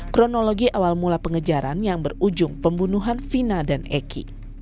kronologi awal mula pengejaran yang berujung pembunuhan vina dan eki